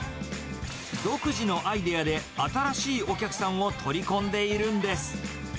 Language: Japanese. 独自のアイデアで新しいお客さんを取り込んでいるんです。